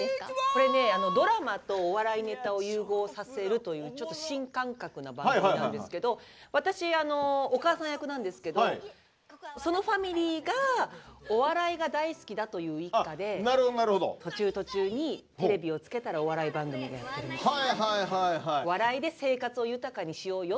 これねドラマとお笑いネタを融合させるというちょっと新感覚な番組なんですけど私お母さん役なんですけどそのファミリーがお笑いが大好きだという一家で途中途中にテレビをつけたらお笑い番組がやってるみたいな。